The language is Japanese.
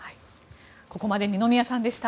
ここまで二宮さんでした。